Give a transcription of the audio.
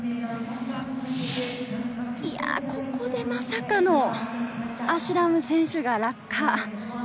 いやぁ、ここでまさかのアシュラム選手が落下。